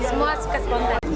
semua suka spontan